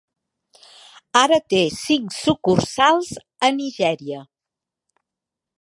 Ara té cinc sucursals a Nigèria.